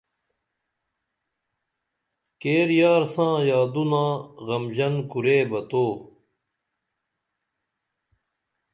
کیر یار ساں یادونہ غمژن کُرے بہ تو